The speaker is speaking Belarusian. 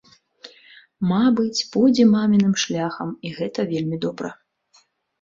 Мабыць, пойдзе маміным шляхам, і гэта вельмі добра.